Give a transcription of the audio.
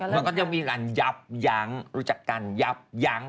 มันก็ยังมีการยับยั้งรู้จักกันยับยั้ง